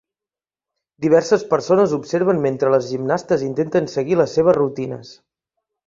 diverses persones observen mentre les gimnastes intenten seguir les seves rutines.